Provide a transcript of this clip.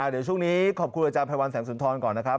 เดี๋ยวช่วงนี้ขอบคุณอาจารย์ไพรวัลแสงสุนทรก่อนนะครับ